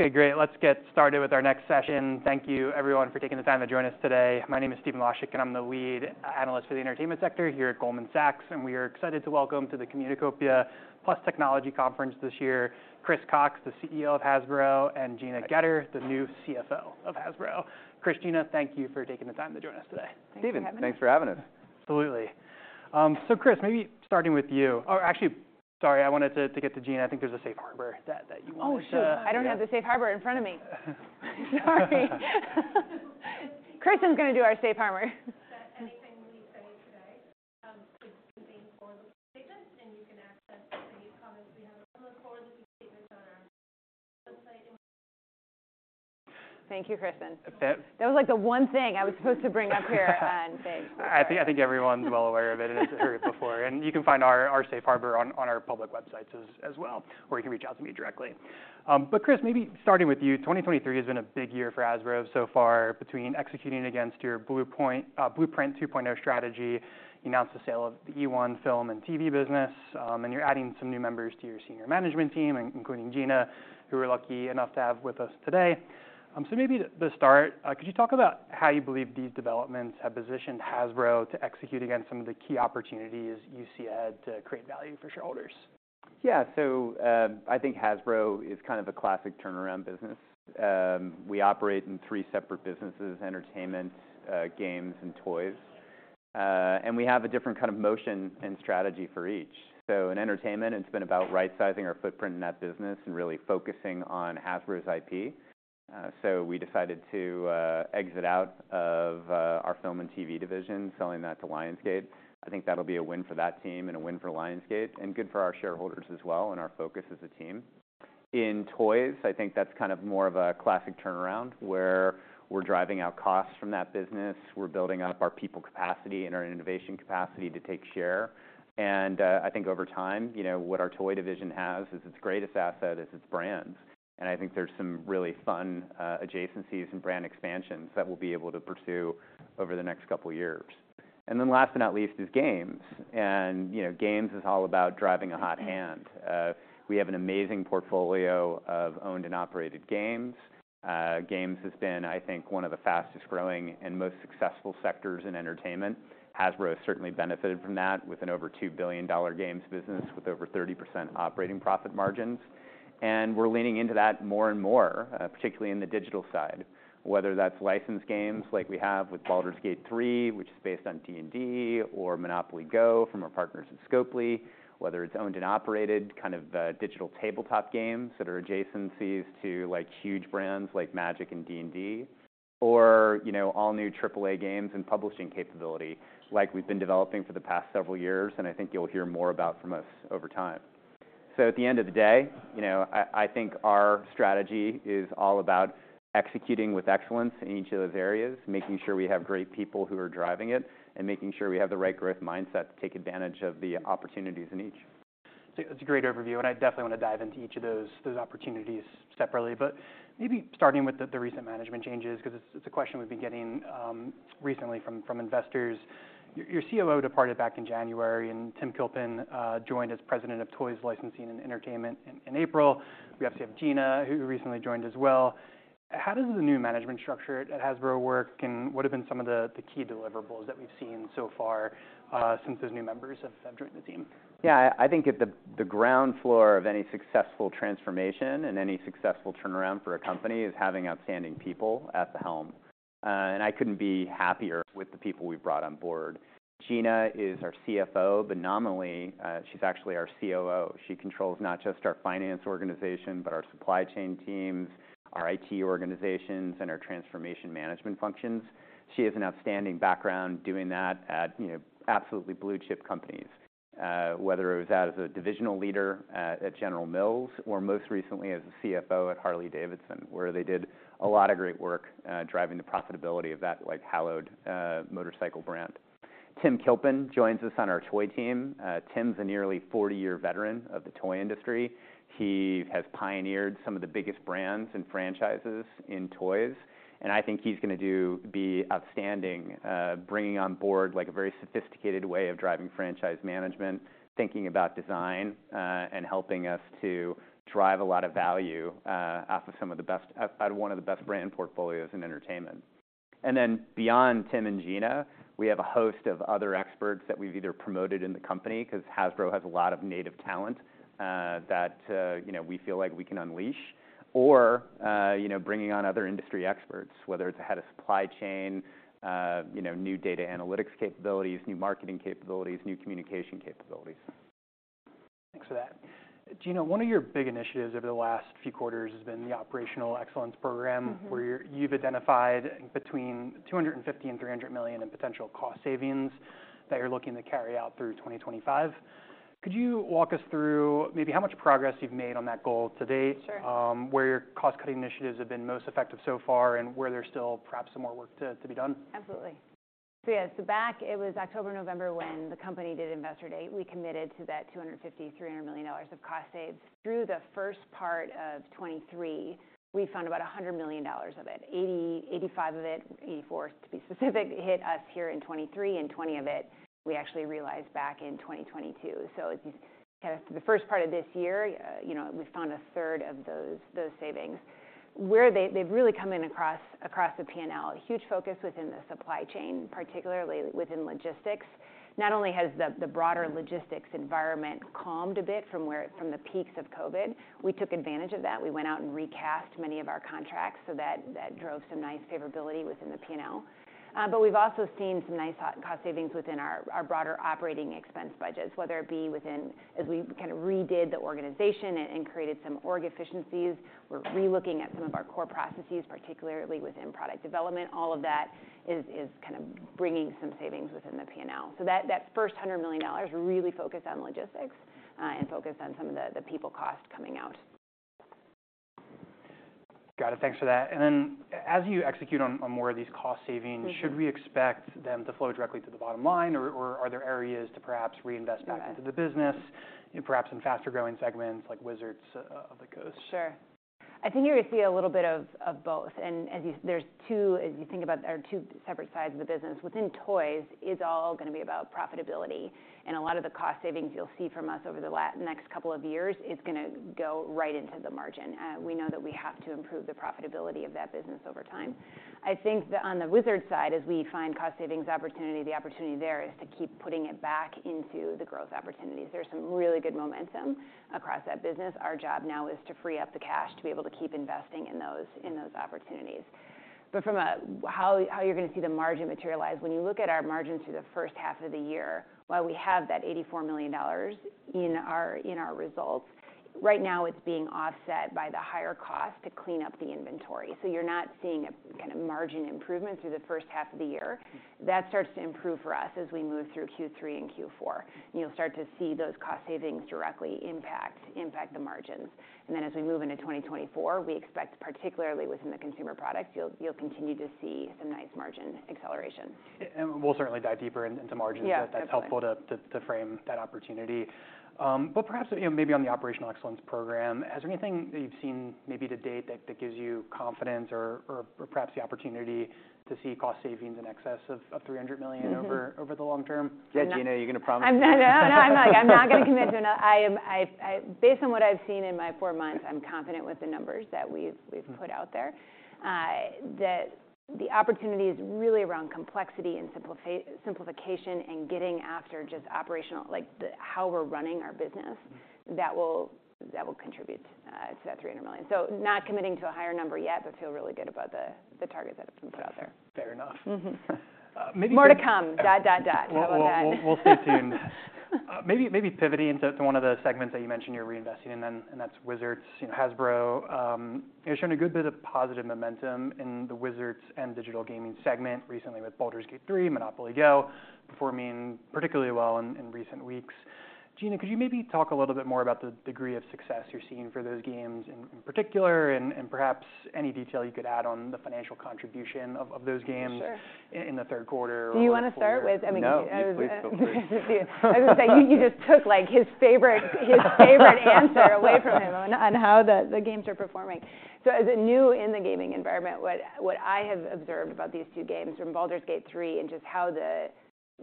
Okay, great. Let's get started with our next session. Thank you, everyone, for taking the time to join us today. My name is Stephen Laszczyk, and I'm the lead analyst for the entertainment sector here at Goldman Sachs, and we are excited to welcome to the Communacopia + Technology Conference this year, Chris Cocks, the CEO of Hasbro, and Gina Goetter, the new CFO of Hasbro. Chris, Gina, thank you for taking the time to join us today. Thanks for having me. Stephen, thanks for having us. Absolutely. So, Chris, maybe starting with you—or actually, sorry, I wanted to get to Gina. I think there's a Safe Harbor that you wanted to— Oh, shoot! I don't have the Safe Harbor in front of me. Sorry. Kristen's gonna do our Safe Harbor. That anything we say today could be forward-looking statements, and you can access any comments we have on the forward-looking statements on our website. Thank you, Kristen. That- That was the one thing I was supposed to bring up here today. I think everyone's well aware of it, as I heard before, and you can find our Safe Harbor on our public websites as well, or you can reach out to me directly. But Chris, maybe starting with you, 2023 has been a big year for Hasbro so far, between executing against your Blueprint 2.0 strategy, you announced the sale of the eOne film and TV business, and you're adding some new members to your senior management team, including Gina, who we're lucky enough to have with us today. So maybe to start, could you talk about how you believe these developments have positioned Hasbro to execute against some of the key opportunities you see ahead to create value for shareholders? Yeah. So, I think Hasbro is kind of a classic turnaround business. We operate in three separate businesses: entertainment, games, and toys. And we have a different kind of motion and strategy for each. So in entertainment, it's been about right-sizing our footprint in that business and really focusing on Hasbro's IP. So we decided to exit out of our film and TV division, selling that to Lionsgate. I think that'll be a win for that team and a win for Lionsgate, and good for our shareholders as well, and our focus as a team. In toys, I think that's kind of more of a classic turnaround, where we're driving out costs from that business, we're building up our people capacity and our innovation capacity to take share, and I think over time, what our toy division has as its greatest asset is its brands. And I think there's some really fun adjacencies and brand expansions that we'll be able to pursue over the next couple of years. And then last but not least, is games, and games is all about driving a hot hand. We have an amazing portfolio of owned and operated games. Games has been, I think, one of the fastest-growing and most successful sectors in entertainment. Hasbro has certainly benefited from that, with an over $2 billion games business with over 30% operating profit margins. And we're leaning into that more and more, particularly in the digital side, whether that's licensed games, like we have with Baldur's Gate 3, which is based on D&D, or Monopoly GO! from our partners at Scopely, whether it's owned and operated, kind of, digital tabletop games that are adjacencies to huge brands like Magic and D&D, or, all-new AAA games and publishing capability, like we've been developing for the past several years, and I think you'll hear more about from us over time. So at the end of the day, I think our strategy is all about executing with excellence in each of those areas, making sure we have great people who are driving it, and making sure we have the right growth mindset to take advantage of the opportunities in each. So that's a great overview, and I definitely want to dive into each of those opportunities separately. But maybe starting with the recent management changes, 'cause it's a question we've been getting recently from investors. Your COO departed back in January, and Tim Kilpin joined as President of Toys, Licensing, and Entertainment in April. We obviously have Gina, who recently joined as well. How does the new management structure at Hasbro work, and what have been some of the key deliverables that we've seen so far since those new members have joined the team? Yeah, I think at the ground floor of any successful transformation and any successful turnaround for a company is having outstanding people at the helm. And I couldn't be happier with the people we've brought on board. Gina is our CFO, but nominally, she's actually our COO. She controls not just our finance organization, but our supply chain teams, our IT organizations, and our transformation management functions. She has an outstanding background doing that at absolutely blue chip companies, whether it was as a divisional leader at General Mills, or most recently as a CFO at Harley-Davidson, where they did a lot of great work, driving the profitability of that, like, hallowed motorcycle brand. Tim Kilpin joins us on our toy team. Tim's a nearly 40-year veteran of the toy industry. He has pioneered some of the biggest brands and franchises in toys, and I think he's gonna be outstanding, bringing on board, like, a very sophisticated way of driving franchise management, thinking about design, and helping us to drive a lot of value out of one of the best brand portfolios in entertainment. And then, beyond Tim and Gina, we have a host of other experts that we've either promoted in the company, 'cause Hasbro has a lot of native talent, that we feel like we can unleash, or bringing on other industry experts, whether it's the head of supply chain, new data analytics capabilities, new marketing capabilities, new communication capabilities. Thanks for that. Gina, one of your big initiatives over the last few quarters has been the Operational Excellence program- Mm-hmm. where you're, you've identified between $250 million and $300 million in potential cost savings that you're looking to carry out through 2025. Could you walk us through maybe how much progress you've made on that goal to date? Sure. where your cost-cutting initiatives have been most effective so far, and where there's still perhaps some more work to be done? Absolutely. So, back, it was October, November, when the company did Investor Day, we committed to that $250-$300 million of cost saves. Through the first part of 2023, we found about $100 million of it, $80-$85 million of it, $84 million to be specific, hit us here in 2023, and $20 million of it we actually realized back in 2022. So, kind of the first part of this year we found a third of those savings. Where they, they've really come in across the P&L. A huge focus within the supply chain, particularly within logistics. Not only has the broader logistics environment calmed a bit from the peaks of COVID, we took advantage of that. We went out and recast many of our contracts, so that, that drove some nice favorability within the P&L. But we've also seen some nice core cost savings within our broader operating expense budgets, whether it be within as we kinda redid the organization and created some org efficiencies. We're relooking at some of our core processes, particularly within product development. All of that is kind of bringing some savings within the P&L. So that first $100 million really focused on logistics, and focused on some of the people cost coming out. Got it. Thanks for that. And then as you execute on more of these cost savings- Mm-hmm. Should we expect them to flow directly to the bottom line, or, or are there areas to perhaps reinvest back- Yeah - into the business, perhaps in faster-growing segments like Wizards of the Coast? Sure. I think you're going to see a little bit of both, and as you think about, there are two separate sides of the business. Within toys, it's all gonna be about profitability, and a lot of the cost savings you'll see from us over the next couple of years is gonna go right into the margin. We know that we have to improve the profitability of that business over time. I think on the Wizards side, as we find cost savings opportunity, the opportunity there is to keep putting it back into the growth opportunities. There's some really good momentum across that business. Our job now is to free up the cash to be able to keep investing in those opportunities. But from a, how you're going to see the margin materialize, when you look at our margins through the first half of the year, while we have that $84 million in our, in our results right now, it's being offset by the higher cost to clean up the inventory. So you're not seeing a kind of margin improvement through the first half of the year. Mm-hmm. That starts to improve for us as we move through Q3 and Q4. You'll start to see those cost savings directly impact the margins. And then, as we move into 2024, we expect, particularly within the consumer products, you'll continue to see some nice margin acceleration. Yeah, and we'll certainly dive deeper into margins- Yeah, definitely. but that's helpful to frame that opportunity. But perhaps, maybe on the Operational Excellence program, is there anything that you've seen maybe to date that gives you confidence or perhaps the opportunity to see cost savings in excess of $300 million- Mm-hmm... over, over the long term? Yeah, Gina, are you going to promise? I'm not. No, I'm not. I'm not going to commit to another... I am based on what I've seen in my four months, I'm confident with the numbers that we've put out there. The opportunity is really around complexity and simplification and getting after just operational, like, the how we're running our business. Mm-hmm. That will, that will contribute to that $300 million. So not committing to a higher number yet, but feel really good about the, the target that has been put out there. Fair enough. Mm-hmm. Maybe- More to come, dot, dot, dot. We'll stay tuned. Maybe pivoting to one of the segments that you mentioned you're reinvesting in then, and that's Wizards. Hasbro, you're showing a good bit of positive momentum in the Wizards and digital gaming segment recently with Baldur's Gate 3, Monopoly GO! performing particularly well in recent weeks. Gina, could you maybe talk a little bit more about the degree of success you're seeing for those games in particular, and perhaps any detail you could add on the financial contribution of those games- Sure... in the third quarter or- Do you want to start with- No- I mean, You please, go for it. I was going to say, you just took, like, his favorite answer away from him on how the games are performing. So as a new in the gaming environment, what I have observed about these two games, from Baldur's Gate 3, and just how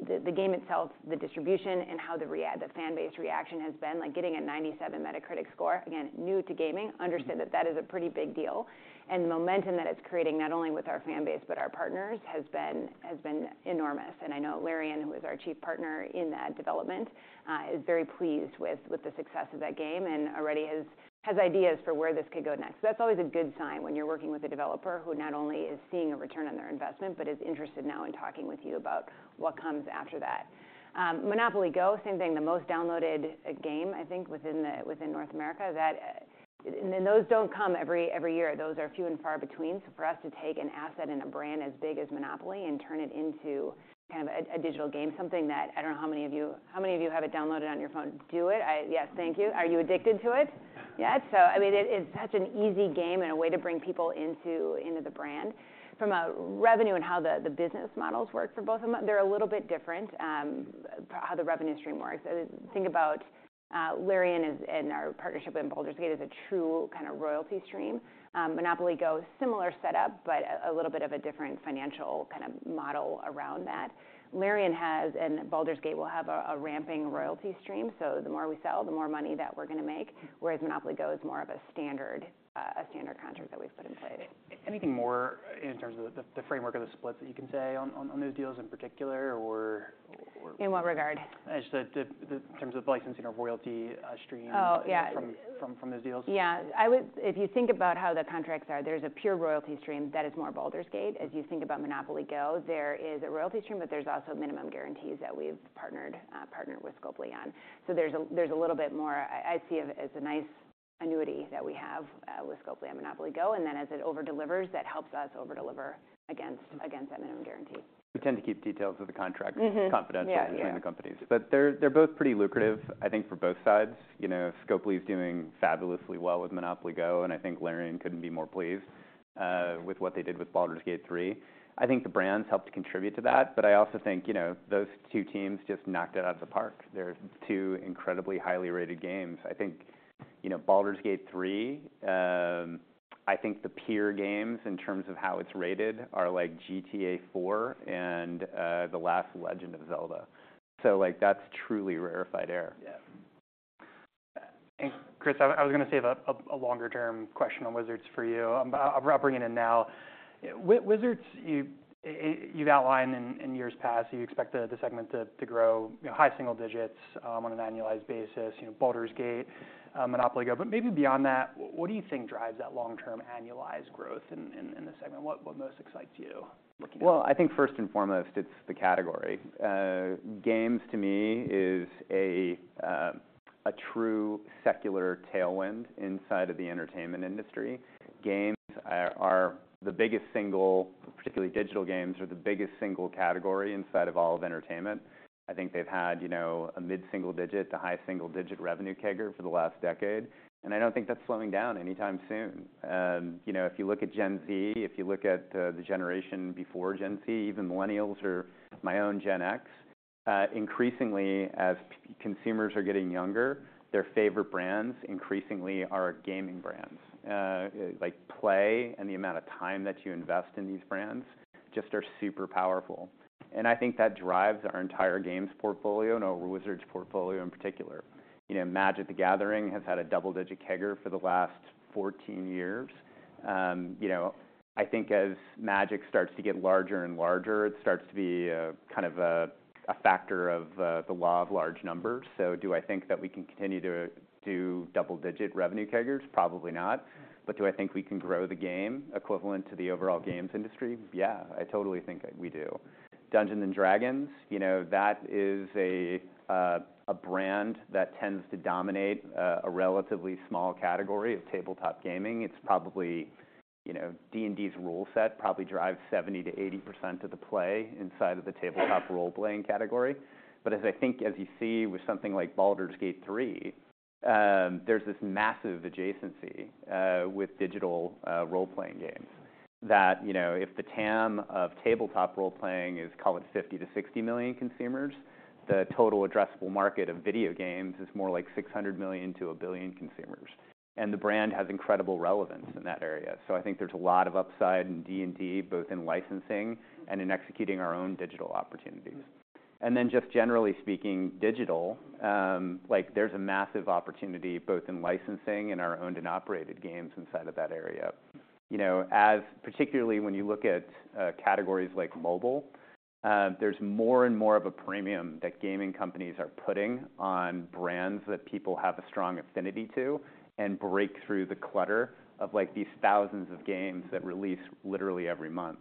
the game itself, the distribution, and how the fan base reaction has been, like, getting a 97 Metacritic score, again, new to gaming- Mm-hmm... understand that that is a pretty big deal. And the momentum that it's creating, not only with our fan base, but our partners, has been enormous. And I know Larian, who is our chief partner in that development, is very pleased with the success of that game and already has ideas for where this could go next. So that's always a good sign when you're working with a developer who not only is seeing a return on their investment, but is interested now in talking with you about what comes after that. Monopoly GO!, same thing, the most downloaded game, I think, within North America. That... And those don't come every year. Those are few and far between. So for us to take an asset and a brand as big as Monopoly and turn it into kind of a, a digital game, something that I don't know how many of you, how many of you have it downloaded on your phone? Do it. I... Yes, thank you. Are you addicted to it? Yeah. Yeah, so I mean, it is such an easy game and a way to bring people into the brand. From a revenue and how the business models work for both of them, they're a little bit different, how the revenue stream works. Think about Larian and our partnership in Baldur's Gate is a true kind of royalty stream. Monopoly GO!, similar setup, but a little bit of a different financial kind of model around that. Larian has, and Baldur's Gate will have a ramping royalty stream, so the more we sell, the more money that we're going to make, whereas Monopoly GO! is more of a standard, a standard contract that we've put in place. Anything more in terms of the framework of the splits that you can say on those deals in particular, or? In what regard? Just the in terms of licensing or royalty stream- Oh, yeah... from those deals? Yeah. I would- if you think about how the contracts are, there's a pure royalty stream that is more Baldur's Gate. As you think about Monopoly GO!, there is a royalty stream, but there's also minimum guarantees that we've partnered with Scopely on. So there's a little bit more... I see it as a nice annuity that we have with Scopely and Monopoly GO! And then, as it over-delivers, that helps us over-deliver against that minimum guarantee. We tend to keep details of the contract- Mm-hmm... confidential- Yeah, yeah... between the companies. But they're both pretty lucrative, I think, for both sides. Scopely's doing fabulously well with Monopoly GO!, and I think Larian couldn't be more pleased with what they did with Baldur's Gate 3. I think the brands helped contribute to that, but I also think those two teams just knocked it out of the park. They're two incredibly highly rated games. I think Baldur's Gate 3, I think the peer games, in terms of how it's rated, are, like, GTA IV and the last Legend of Zelda. So, like, that's truly rarefied air. And Chris, I was going to save a longer-term question on Wizards for you. I'll bring it in now. Wizards, you've outlined in years past, you expect the segment to grow high single digits, on an annualized basis Baldur's Gate, Monopoly GO!. But maybe beyond that, what do you think drives that long-term annualized growth in the segment? What most excites you looking at it? Well, I think first and foremost, it's the category. Games, to me, is a true secular tailwind inside of the entertainment industry. Games are the biggest single, particularly digital games, are the biggest single category inside of all of entertainment. I think they've had a mid-single digit to high single-digit revenue CAGR for the last decade, and I don't think that's slowing down anytime soon. If you look at Gen Z, if you look at the generation before Gen Z, even Millennials or my own Gen X, increasingly, as consumers are getting younger, their favorite brands increasingly are gaming brands. Like, play and the amount of time that you invest in these brands just are super powerful. And I think that drives our entire games portfolio, and our Wizards portfolio in particular. Magic: The Gathering has had a double-digit CAGR for the last 14 years. I think as Magic starts to get larger and larger, it starts to be kind of a factor of the law of large numbers. So do I think that we can continue to do double-digit revenue CAGRs? Probably not. But do I think we can grow the game equivalent to the overall games industry? Yeah, I totally think we do. Dungeons & Dragons, that is a brand that tends to dominate a relatively small category of tabletop gaming. It's probably... D&D's rule set probably drives 70%-80% of the play inside of the tabletop role-playing category. But as I think, as you see with something like Baldur's Gate 3, there's this massive adjacency with digital role-playing games, that if the TAM of tabletop role-playing is, call it, 50-60 million consumers, the total addressable market of video games is more like 600 million to a billion consumers, and the brand has incredible relevance in that area. So I think there's a lot of upside in D&D, both in licensing and in executing our own digital opportunities. And then, just generally speaking, digital, like, there's a massive opportunity both in licensing and our owned and operated games inside of that area. As particularly when you look at categories like mobile, there's more and more of a premium that gaming companies are putting on brands that people have a strong affinity to, and break through the clutter of, like, these thousands of games that release literally every month.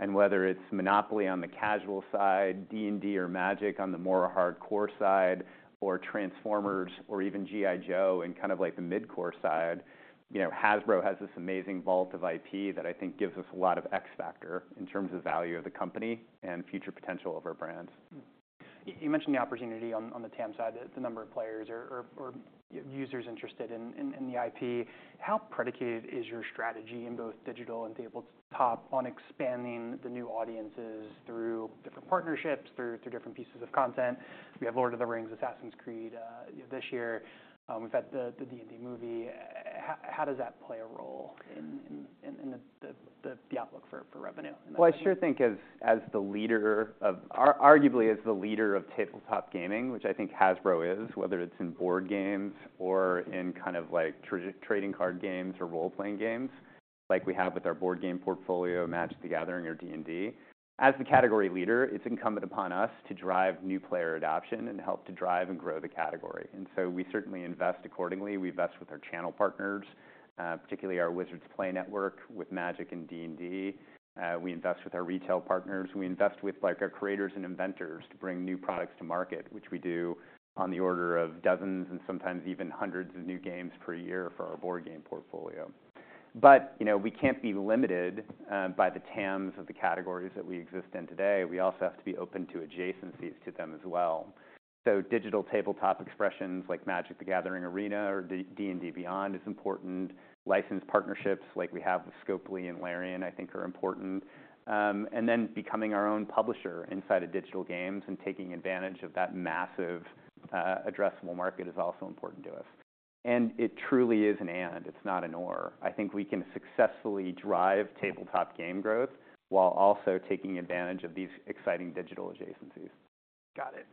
Whether it's Monopoly on the casual side, D&D or Magic on the more hardcore side, or Transformers or even G.I. Joe in kind of like the mid-core side Hasbro has this amazing vault of IP that I think gives us a lot of X factor in terms of value of the company and future potential of our brands. You mentioned the opportunity on the TAM side, the number of players or users interested in the IP. How predicated is your strategy in both digital and tabletop on expanding the new audiences through different partnerships, through different pieces of content? We have Lord of the Rings, Assassin's Creed, this year. We've had the D&D movie. How does that play a role in the outlook for revenue in that? Well, I surely think as the leader of arguably, as the leader of tabletop gaming, which I think Hasbro is, whether it's in board games or in kind of like trading card games or role-playing games, like we have with our board game portfolio, Magic: The Gathering or D&D. As the category leader, it's incumbent upon us to drive new player adoption and help to drive and grow the category, and so we certainly invest accordingly. We invest with our channel partners, particularly our Wizards Play Network with Magic and D&D. We invest with our retail partners. We invest with, like, our creators and inventors to bring new products to market, which we do on the order of dozens and sometimes even hundreds of new games per year for our board game portfolio. But, we can't be limited by the TAMs of the categories that we exist in today. We also have to be open to adjacencies to them as well. So digital tabletop expressions like Magic: The Gathering Arena or D&D Beyond is important. Licensed partnerships like we have with Scopely and Larian, I think are important. And then becoming our own publisher inside of digital games and taking advantage of that massive addressable market is also important to us. And it truly is an and, it's not an or. I think we can successfully drive tabletop game growth while also taking advantage of these exciting digital adjacencies. Got it.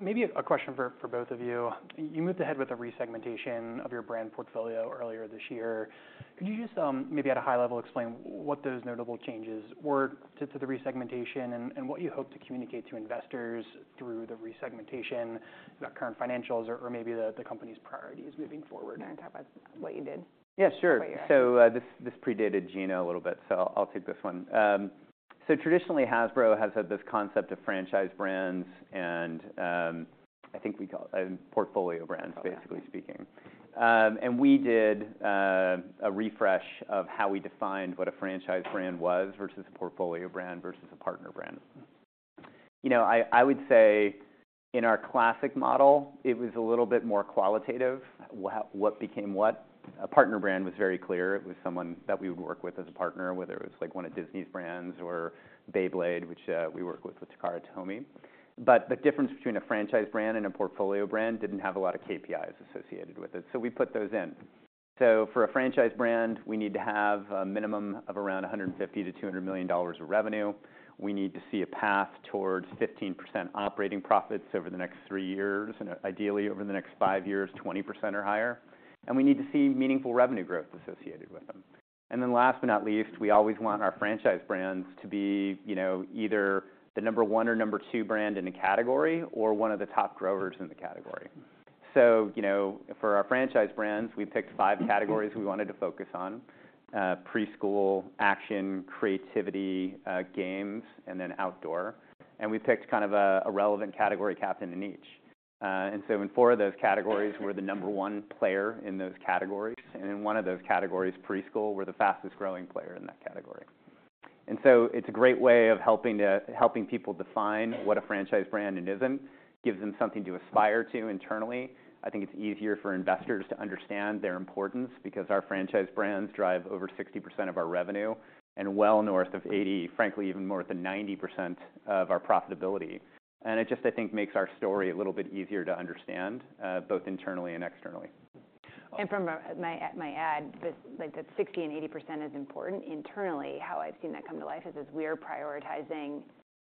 Maybe a question for both of you. You moved ahead with a resegmentation of your brand portfolio earlier this year. Could you just, maybe at a high level, explain what those notable changes were to the resegmentation and what you hope to communicate to investors through the resegmentation about current financials or maybe the company's priorities moving forward? Do you want to talk about what you did? Yeah, sure. What you're asking. So, this predated Gina a little bit, so I'll take this one. So traditionally, Hasbro has had this concept of franchise brands and, I think we call it, portfolio brands- Yeah... basically speaking. And we did a refresh of how we defined what a franchise brand was versus a portfolio brand versus a partner brand. You know, I would say in our classic model, it was a little bit more qualitative, what became what. A partner brand was very clear. It was someone that we would work with as a partner, whether it was, like, one of Disney's brands or Beyblade, which we work with with Takara Tomy. But the difference between a franchise brand and a portfolio brand didn't have a lot of KPIs associated with it, so we put those in. So for a franchise brand, we need to have a minimum of around $150-$200 million of revenue. We need to see a path towards 15% operating profits over the next 3 years, and ideally, over the next 5 years, 20% or higher. And we need to see meaningful revenue growth associated with them. And then last but not least, we always want our franchise brands to be either the number one or number two brand in a category or one of the top growers in the category. So, for our franchise brands, we picked 5 categories we wanted to focus on: preschool, action, creativity, games, and then outdoor. And we picked kind of a, a relevant category captain in each. And so in 4 of those categories, we're the number one player in those categories, and in 1 of those categories, preschool, we're the fastest-growing player in that category. So it's a great way of helping people define what a franchise brand is and isn't, gives them something to aspire to internally. I think it's easier for investors to understand their importance because our franchise brands drive over 60% of our revenue and well north of 80, frankly, even more than 90% of our profitability. And it just, I think, makes our story a little bit easier to understand both internally and externally. And from my end, this, like, that 60% and 80% is important internally. How I've seen that come to life is as we are prioritizing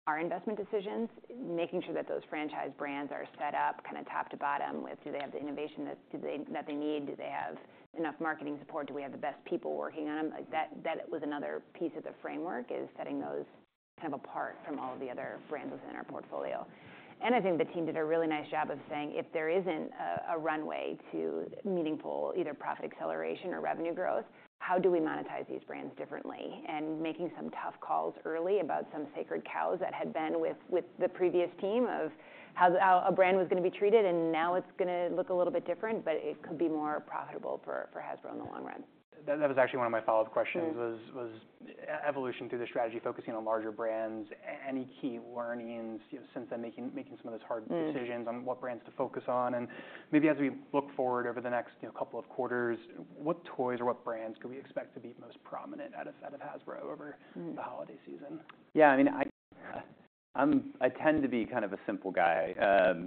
our investment decisions, making sure that those franchise brands are set up kinda top to bottom with, do they have the innovation that they need? Do they have enough marketing support? Do we have the best people working on them? Like, that was another piece of the framework, is setting those kind of apart from all the other brands within our portfolio. And I think the team did a really nice job of saying, if there isn't a runway to meaningful either profit acceleration or revenue growth, how do we monetize these brands differently? Making some tough calls early about some sacred cows that had been with the previous team of how a brand was gonna be treated, and now it's gonna look a little bit different, but it could be more profitable for Hasbro in the long run. That was actually one of my follow-up questions- Mm. was evolution through the strategy, focusing on larger brands. Any key learnings since then, making some of those hard- Mm Decisions on what brands to focus on? And maybe as we look forward over the next couple of quarters, what toys or what brands can we expect to be most prominent out of, out of Hasbro over- Mm. the holiday season? Yeah, I mean, I, I tend to be kind of a simple guy,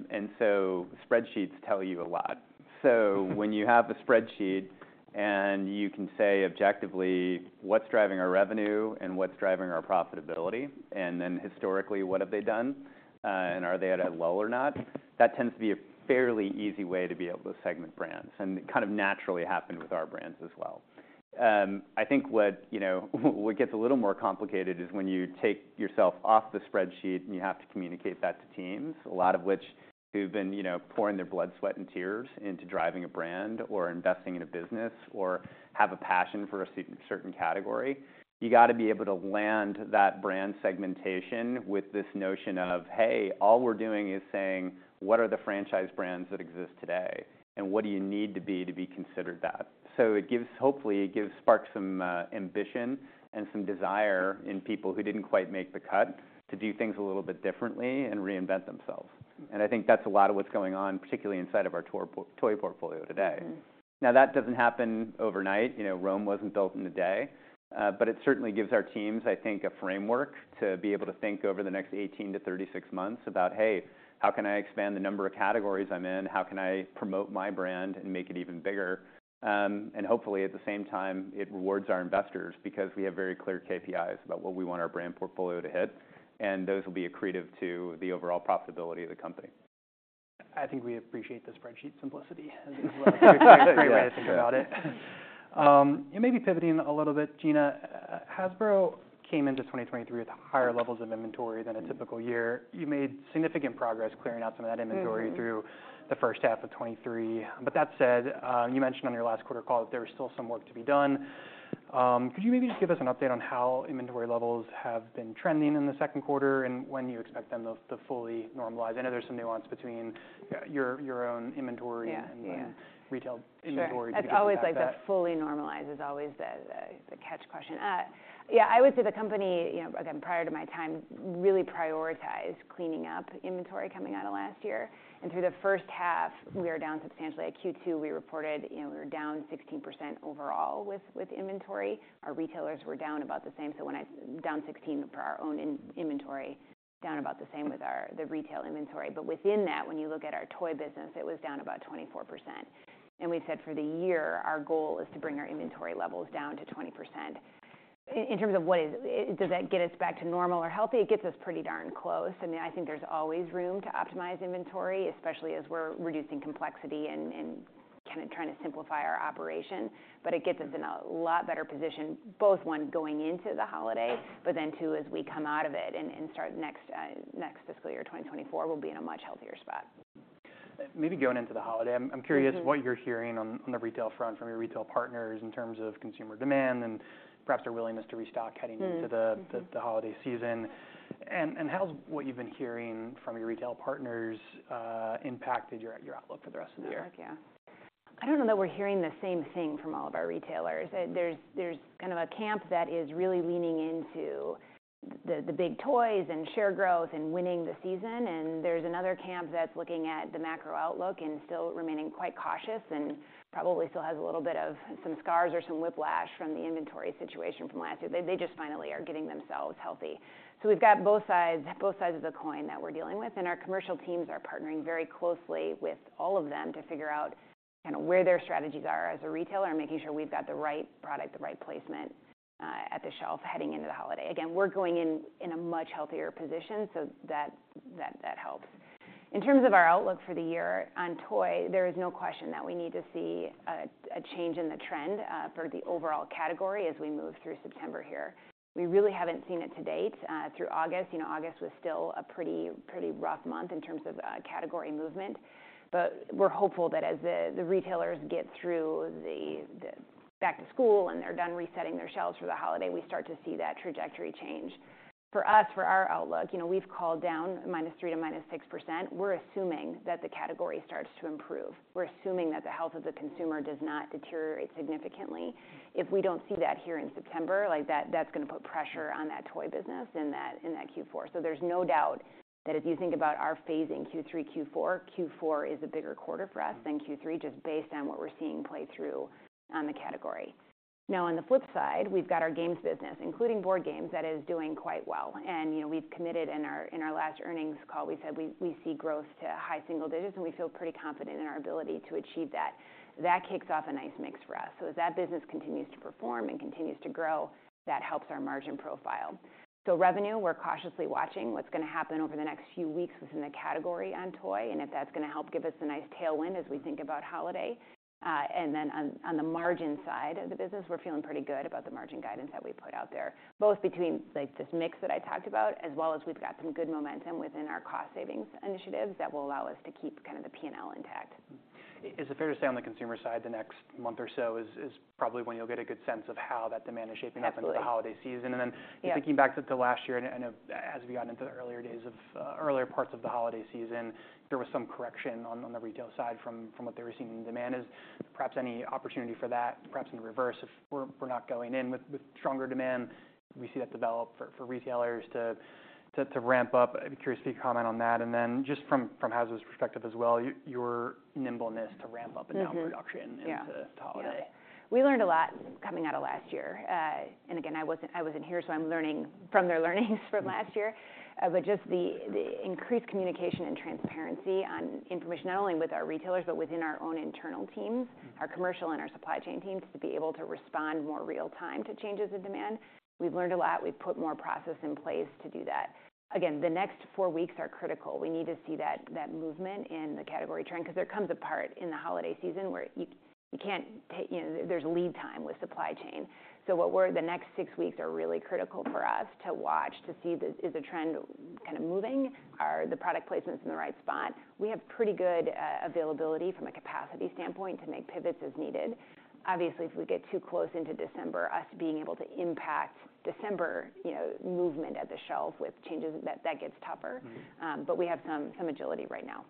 and so spreadsheets tell you a lot. So when you have a spreadsheet and you can say objectively, what's driving our revenue and what's driving our profitability, and then historically, what have they done, and are they at a low or not? That tends to be a fairly easy way to be able to segment brands, and it kind of naturally happened with our brands as well. I think what gets a little more complicated is when you take yourself off the spreadsheet and you have to communicate that to teams, a lot of which who've been pouring their blood, sweat, and tears into driving a brand or investing in a business or have a passion for a certain category. You got to be able to land that brand segmentation with this notion of, "Hey, all we're doing is saying, what are the franchise brands that exist today, and what do you need to be to be considered that?" So it gives... Hopefully, it gives spark some ambition and some desire in people who didn't quite make the cut to do things a little bit differently and reinvent themselves. And I think that's a lot of what's going on, particularly inside of our toy portfolio today. Mm. Now, that doesn't happen overnight. Rome wasn't built in a day. But it certainly gives our teams, I think, a framework to be able to think over the next 18-36 months about, "Hey, how can I expand the number of categories I'm in? How can I promote my brand and make it even bigger?" And hopefully, at the same time, it rewards our investors because we have very clear KPIs about what we want our brand portfolio to hit, and those will be accretive to the overall profitability of the company. I think we appreciate the spreadsheet simplicity as well. It's a great way to think about it. And maybe pivoting a little bit, Gina, Hasbro came into 2023 with higher levels of inventory than a typical year. You made significant progress clearing out some of that inventory- Mm-hmm through the first half of 2023. But that said, you mentioned on your last quarter call that there was still some work to be done. Could you maybe just give us an update on how inventory levels have been trending in the second quarter and when you expect them to fully normalize? I know there's some nuance between your own inventory- Yeah, yeah and then retail inventory. Sure. To get that back. It's always, like, the fully normalized is always the catch question. Yeah, I would say the company, again, prior to my time, really prioritized cleaning up inventory coming out of last year, and through the first half, we are down substantially. At Q2, we reported we were down 16% overall with inventory. Our retailers were down about the same. So down 16% for our own inventory, down about the same with the retail inventory. But within that, when you look at our toy business, it was down about 24%. And we've said for the year, our goal is to bring our inventory levels down to 20%. In terms of, does that get us back to normal or healthy? It gets us pretty darn close. I mean, I think there's always room to optimize inventory, especially as we're reducing complexity and kinda trying to simplify our operation, but it gets us in a lot better position, both one, going into the holiday, but then two, as we come out of it and start next fiscal year, 2024, we'll be in a much healthier spot. Maybe going into the holiday- Mm-hmm... I'm curious what you're hearing on the retail front from your retail partners in terms of consumer demand and perhaps their willingness to restock heading- Mm, mm-hmm... into the holiday season. And how's what you've been hearing from your retail partners impacted your outlook for the rest of the year? Yeah. I don't know that we're hearing the same thing from all of our retailers. There's kind of a camp that is really leaning into the big toys and share growth and winning the season, and there's another camp that's looking at the macro outlook and still remaining quite cautious, and probably still has a little bit of some scars or some whiplash from the inventory situation from last year. They just finally are getting themselves healthy. So we've got both sides, both sides of the coin that we're dealing with, and our commercial teams are partnering very closely with all of them to figure out kind of where their strategies are as a retailer, and making sure we've got the right product, the right placement at the shelf heading into the holiday. Again, we're going in a much healthier position, so that helps. In terms of our outlook for the year on toy, there is no question that we need to see a change in the trend for the overall category as we move through September here. We really haven't seen it to date through August. August was still a pretty rough month in terms of category movement. But we're hopeful that as the retailers get through the back to school, and they're done resetting their shelves for the holiday, we start to see that trajectory change. For us, for our outlook we've called down -3% to -6%. We're assuming that the category starts to improve. We're assuming that the health of the consumer does not deteriorate significantly. If we don't see that here in September, like, that, that's gonna put pressure on that toy business in that, in that Q4. So there's no doubt that if you think about our phase in Q3, Q4, Q4 is a bigger quarter for us than Q3, just based on what we're seeing play through on the category. Now, on the flip side, we've got our games business, including board games, that is doing quite well. And we've committed in our, in our last earnings call, we said we, we see growth to high single digits, and we feel pretty confident in our ability to achieve that. That kicks off a nice mix for us. So as that business continues to perform and continues to grow, that helps our margin profile. So revenue, we're cautiously watching what's gonna happen over the next few weeks within the category on toy, and if that's gonna help give us a nice tailwind as we think about holiday. And then on the margin side of the business, we're feeling pretty good about the margin guidance that we put out there, both between, like, this mix that I talked about, as well as we've got some good momentum within our cost savings initiatives that will allow us to keep kind of the P&L intact. Is it fair to say on the consumer side, the next month or so is probably when you'll get a good sense of how that demand is shaping up? Absolutely... for the holiday season? Yeah. And then thinking back to last year, and I know as we got into the earlier days of earlier parts of the holiday season, there was some correction on the retail side from what they were seeing in demand. Is perhaps any opportunity for that, perhaps in reverse, if we're not going in with stronger demand, we see that develop for retailers to ramp up? I'd be curious if you'd comment on that, and then just from Hasbro's perspective as well, your nimbleness to ramp up- Mm-hmm ...and down production- Yeah... into to holiday. Yeah. We learned a lot coming out of last year. And again, I wasn't here, so I'm learning from their learnings from last year. But just the increased communication and transparency on information, not only with our retailers, but within our own internal teams- Mm-hmm... our commercial and our supply chain teams, to be able to respond more real time to changes in demand. We've learned a lot. We've put more processes in place to do that. Again, the next 4 weeks are critical. We need to see that movement in the category trend, 'cause there comes a part in the holiday season where you can't, there's lead time with supply chain. So the next 6 weeks are really critical for us to watch, to see that is the trend kind of moving? Are the product placements in the right spot? We have pretty good availability from a capacity standpoint to make pivots as needed. Obviously, if we get too close into December, us being able to impact December, movement at the shelf with changes, that gets tougher. Mm-hmm. But we have some agility right now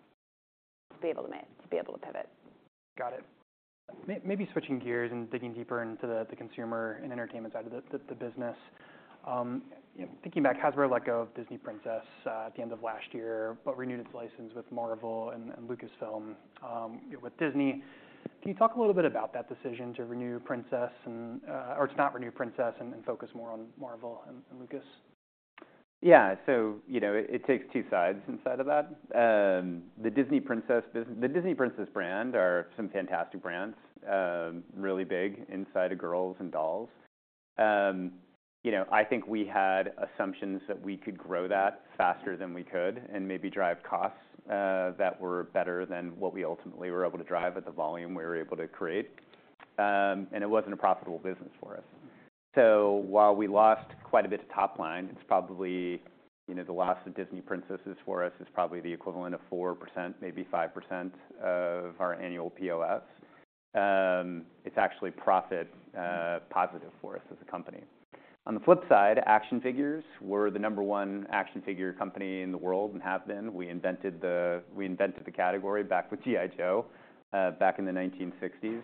to be able to pivot. Got it. Maybe switching gears and digging deeper into the consumer and entertainment side of the business. Thinking back, Hasbro let go of Disney Princess at the end of last year, but renewed its license with Marvel and Lucasfilm. With Disney, can you talk a little bit about that decision to renew Princess and... or to not renew Princess and focus more on Marvel and Lucasfilm? Yeah. So, it takes two sides inside of that. The Disney Princess brand are some fantastic brands, really big inside of girls and dolls. I think we had assumptions that we could grow that faster than we could, and maybe drive costs that were better than what we ultimately were able to drive at the volume we were able to create. And it wasn't a profitable business for us. So while we lost quite a bit of top line, it's probably the loss of Disney Princesses for us is probably the equivalent of 4%, maybe 5% of our annual POS. It's actually profit positive for us as a company. On the flip side, action figures, we're the number one action figure company in the world and have been. We invented the category back with G.I. Joe back in the 1960s,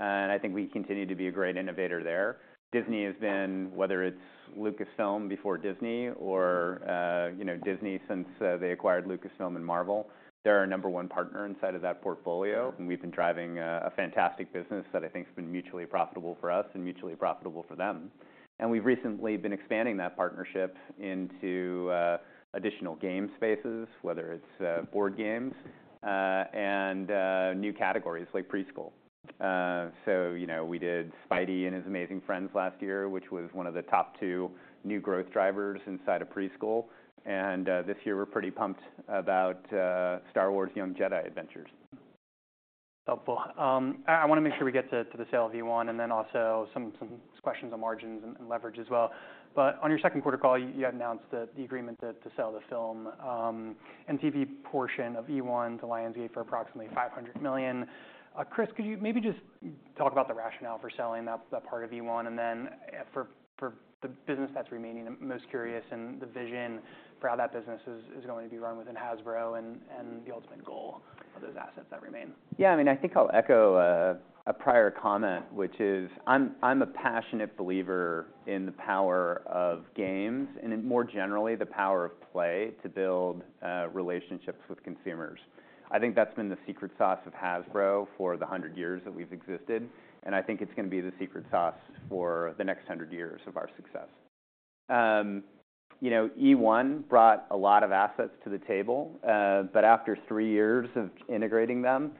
and I think we continue to be a great innovator there. Disney has been, whether it's Lucasfilm before Disney or Disney since they acquired Lucasfilm and Marvel, they're our number one partner inside of that portfolio. Mm-hmm. We've been driving a fantastic business that I think has been mutually profitable for us and mutually profitable for them. We've recently been expanding that partnership into additional game spaces, whether it's board games and new categories like preschool. So, we did Spidey and His Amazing Friends last year, which was one of the top two new growth drivers inside of preschool, and this year we're pretty pumped about Star Wars: Young Jedi Adventures. Helpful. I wanna make sure we get to the sale of eOne, and then also some questions on margins and leverage as well. But on your second quarter call, you had announced the agreement to sell the film and TV portion of eOne to Lionsgate for approximately $500 million. Chris, could you maybe just talk about the rationale for selling that part of eOne? And then, for the business that's remaining, I'm most curious in the vision for how that business is going to be run within Hasbro and the ultimate goal of those assets that remain. Yeah, I mean, I think I'll echo a prior comment, which is, I'm, I'm a passionate believer in the power of games and, more generally, the power of play to build relationships with consumers. I think that's been the secret sauce of Hasbro for the 100 years that we've existed, and I think it's gonna be the secret sauce for the next 100 years of our success... You know, eOne brought a lot of assets to the table, but after three years of integrating them,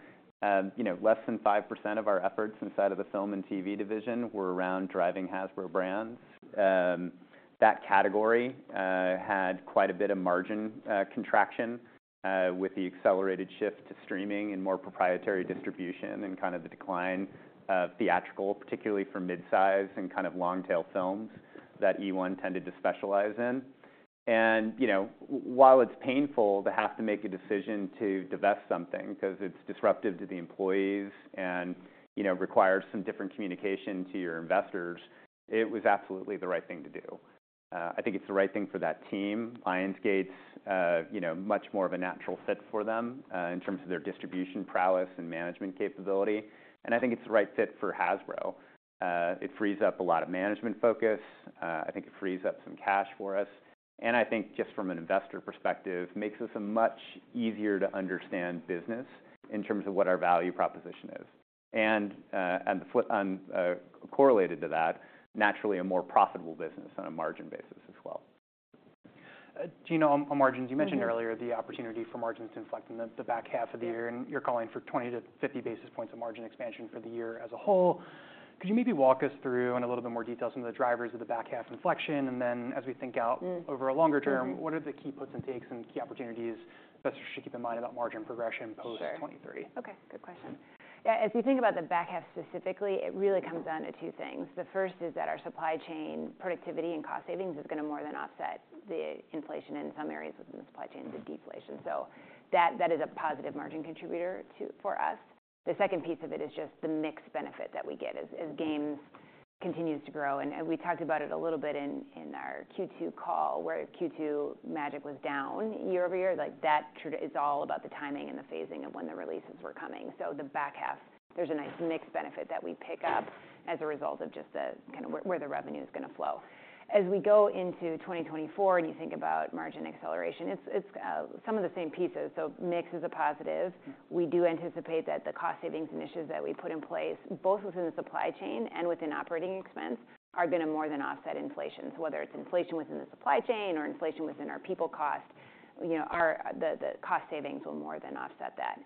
less than 5% of our efforts inside of the film and TV division were around driving Hasbro brands. That category had quite a bit of margin contraction with the accelerated shift to streaming and more proprietary distribution, and kind of the decline of theatrical, particularly for mid-size and kind of long-tail films that eOne tended to specialize in. While it's painful to have to make a decision to divest something, 'cause it's disruptive to the employees and, requires some different communication to your investors, it was absolutely the right thing to do. I think it's the right thing for that team. Lionsgate's, much more of a natural fit for them, in terms of their distribution prowess and management capability, and I think it's the right fit for Hasbro. It frees up a lot of management focus. I think it frees up some cash for us, and I think just from an investor perspective, makes us a much easier to understand business in terms of what our value proposition is. And the follow-on corollary to that, naturally a more profitable business on a margin basis as well. Gina, on margins- Mm-hmm. You mentioned earlier the opportunity for margins to inflect in the back half of the year. Yeah. You're calling for 20-50 basis points of margin expansion for the year as a whole. Could you maybe walk us through in a little bit more details some of the drivers of the back half inflection, and then as we think out- Mm. over a longer term Mm-hmm... what are the key puts and takes and key opportunities investors should keep in mind about margin progression post-2023? Sure. Okay, good question. Yeah, as we think about the back half specifically, it really comes down to two things. The first is that our supply chain productivity and cost savings is gonna more than offset the inflation, in some areas within the supply chain, the deflation. So that, that is a positive margin contributor to, for us. The second piece of it is just the mix benefit that we get as, as games continues to grow, and, and we talked about it a little bit in, in our Q2 call, where Q2 Magic was down year-over-year. Like, that trend is all about the timing and the phasing of when the releases were coming. So the back half, there's a nice mix benefit that we pick up as a result of just the kind of where, where the revenue is gonna flow. As we go into 2024 and you think about margin acceleration, it's some of the same pieces, so mix is a positive. We do anticipate that the cost savings initiatives that we put in place, both within the supply chain and within operating expense, are gonna more than offset inflation. So whether it's inflation within the supply chain or inflation within our people cost, the cost savings will more than offset that.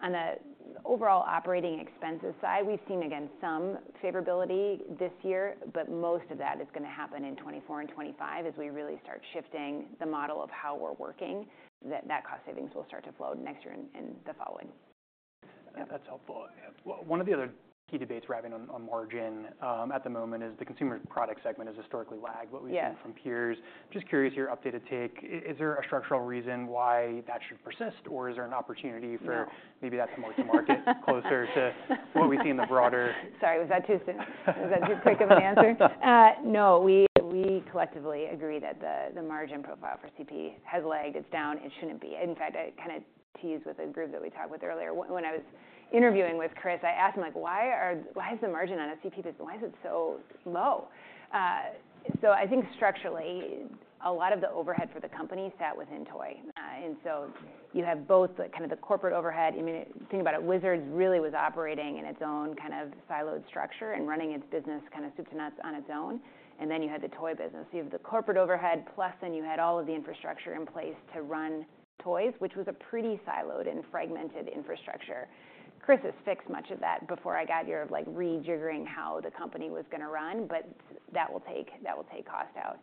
On the overall operating expenses side, we've seen, again, some favorability this year, but most of that is gonna happen in 2024 and 2025 as we really start shifting the model of how we're working, that cost savings will start to flow next year and the following. Yep. That's helpful. Well, one of the other key debates we're having on margin at the moment is the consumer product segment has historically lagged- Yeah... what we've seen from peers. Just curious, your updated take. Is there a structural reason why that should persist, or is there an opportunity for- No.... maybe that's more to market, closer to what we see in the broader- Sorry, was that too soon? Was that too quick of an answer? No, we collectively agree that the margin profile for CP has lagged. It's down. It shouldn't be. In fact, I kinda teased with a group that we talked with earlier. When I was interviewing with Chris, I asked him, like, "Why are, why is the margin on a CP business, why is it so low?" So I think structurally, a lot of the overhead for the company sat within toy. And so you have both the kind of corporate overhead, I mean, think about it, Wizards really was operating in its own kind of siloed structure and running its business kinda soup to nuts on its own, and then you had the toy business. You have the corporate overhead, plus then you had all of the infrastructure in place to run toys, which was a pretty siloed and fragmented infrastructure. Chris has fixed much of that before I got here, of, like, rejiggering how the company was gonna run, but that will take, that will take cost out.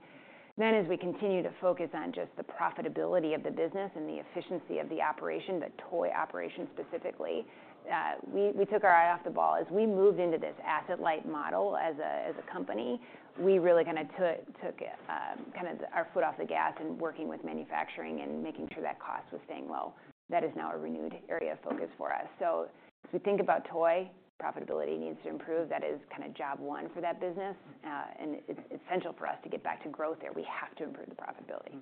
Then, as we continue to focus on just the profitability of the business and the efficiency of the operation, the toy operation specifically, we took our eye off the ball. As we moved into this asset-light model as a company, we really kinda took kinda our foot off the gas in working with manufacturing and making sure that cost was staying low. That is now a renewed area of focus for us. So as we think about toy, profitability needs to improve. That is kinda job one for that business, and it's essential for us to get back to growth there. We have to improve the profitability.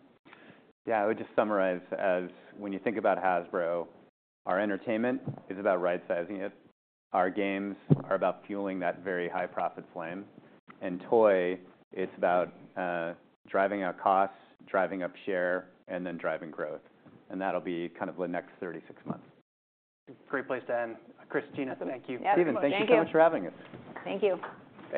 Yeah, I would just summarize, as when you think about Hasbro, our entertainment is about right-sizing it, our games are about fueling that very high profit flame, and toy, it's about driving out costs, driving up share, and then driving growth. And that'll be kind of the next 36 months. Great place to end. Chris, Gina, thank you. Yeah, thank you. Stephen, thank you so much for having us. Thank you.